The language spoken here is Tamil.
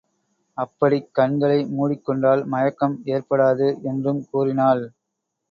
அப்படிக் கண்களை மூடிக் கொண்டால் மயக்கம் ஏற்படாது என்றும் கூறினாள்.